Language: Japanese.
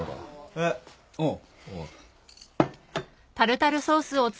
えっうん。